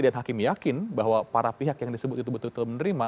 dan hakim yakin bahwa para pihak yang disebut itu betul betul menerima